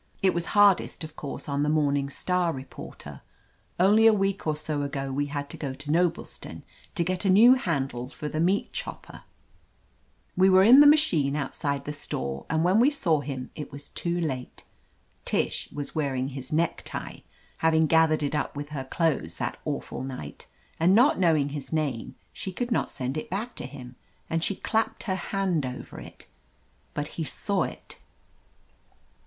It was hardest, of course, on the Morn ing Star reporter. Only a week or so ago we had to go to Noblestown to get a new handle for the meat chopper. We were in the ma chine outside the store, and when we saw him 270 LETITIA CARBERRY it was too late. Tish was wearing his necktie — ^having gathered it up with her clothes that awful night, and not knowing his name she could not send it back to him — and she clapped her hand over it. But he saw it.